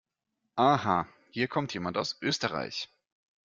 Aha, hier kommt jemand aus Österreich!